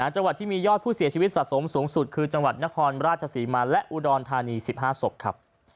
จังหวัดที่มียอดผู้เสียชีวิตสะสมสูงสุดคือจังหวัดนครราชศรีมาและอุดรธานี๑๕ศพครับ